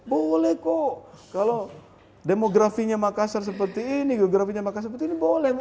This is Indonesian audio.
boleh kok kalau demografinya makassar seperti ini geografinya makassar seperti ini boleh